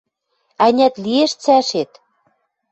Ӓнят, лиэш цӓшет...»